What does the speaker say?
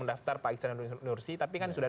mendaftar pak iksan nursi tapi kan sudah